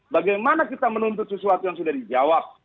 bagaimana kita menuntut sesuatu yang sudah dijawab